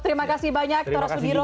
terima kasih banyak tora sudiro